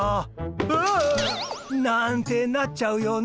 「うわあ！」。なんてなっちゃうよね。